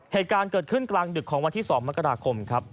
เหตุการณ์เกิดขึ้นกลางดึกของวันที่๒มกราคมครับ